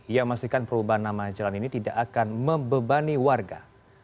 ia memastikan perubahan nama jalan ini tidak akan membebani warga